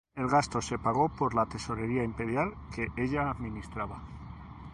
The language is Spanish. El gasto se pagó por la tesorería imperial que ella administraba.